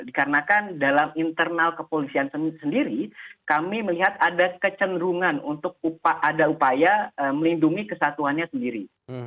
dikarenakan dalam internal kepolisian sendiri kami melihat ada kecenderungan untuk ada upaya melindungi kesatuannya sendiri